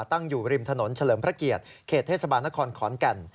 ตั้งอยู่ริมถนนเฉลิมพระเกียรติเขตเทศบาลนครขอนแก่น